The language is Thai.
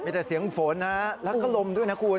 มีแต่เสียงฝนนะแล้วก็ลมด้วยนะคุณ